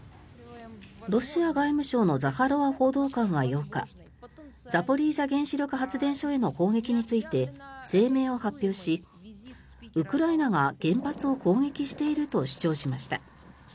ロシア外務省のザハロワ報道官は８日ザポリージャ原子力発電所への攻撃について声明を発表しウクライナが原発を攻撃していると主張しました。